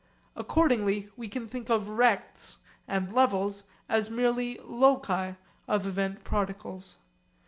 Accordingly we can think of rects and levels as merely loci of event particles.